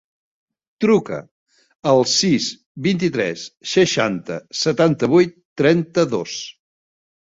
Truca al sis, vint-i-tres, seixanta, setanta-vuit, trenta-dos.